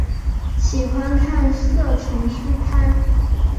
喜欢看色情书刊。